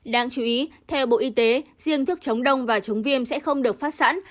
đáng chú ý theo bộ y tế riêng thuốc chống đông và chống viêm sẽ không được phát sẵn